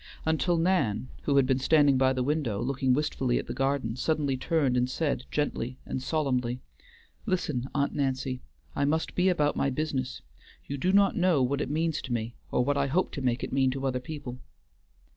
Until Nan, who had been standing by the window, looking wistfully at the garden, suddenly turned and said, gently and solemnly, "Listen, Aunt Nancy! I must be about my business; you do not know what it means to me, or what I hope to make it mean to other people."